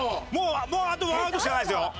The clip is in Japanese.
もうあと１アウトしかないですよ。